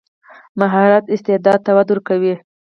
مهارت استعداد ته وده ورکوي.